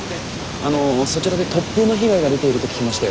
あのそちらで突風の被害が出ていると聞きまして。